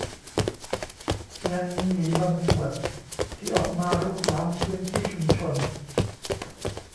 ยังมีหมีบางส่วนที่ออกมารุกล้ำพื้นที่ชุมชน